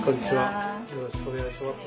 よろしくお願いします。